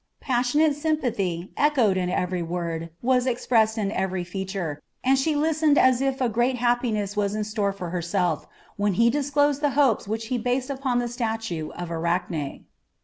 Passionate sympathy echoed in every word, was expressed in every feature, and she listened as if a great happiness was in store for herself when he disclosed the hopes which he based upon the statue of Arachne.